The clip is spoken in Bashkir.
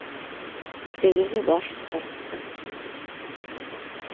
Тегеһе баш тартты